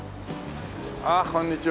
ああこんにちは。